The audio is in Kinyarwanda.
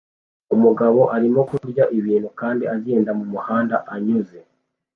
Umugabo arimo kurya ikintu kandi agenda mumuhanda anyuze